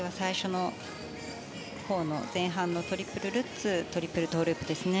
前半のトリプルルッツトリプルトウループですね。